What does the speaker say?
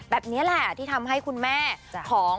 แบบนี้แหละที่ทำให้คุณแม่พี่เอกชัย